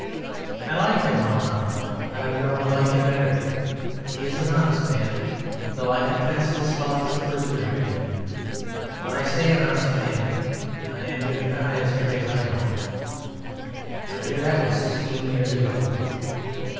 I liked him well enough. I have grown to like him better. He is an honest man, though I confess his philosophers weary me. When I say "an honest man" I am giving the highest praise I know. My dear, that was sixteen years ago.